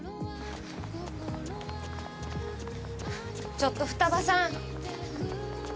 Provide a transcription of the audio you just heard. ちょっと二葉さん！